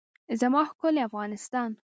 زما ښکلی افغانستان.